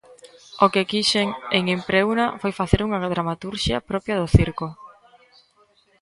O que quixen, en Impreuna, foi facer unha dramaturxia propia do circo.